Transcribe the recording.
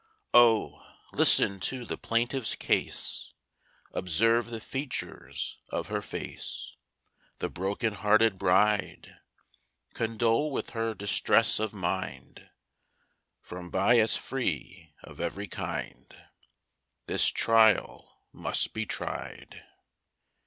Oh, listen to the plaintiff's case: Observe the features of her face— The broken hearted bride! Condole with her distress of mind— From bias free of every kind, This trial must be tried!